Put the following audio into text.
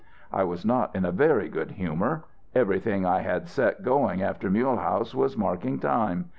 "I was not in a very good humour. Everything I had set going after Mulehaus was marking time.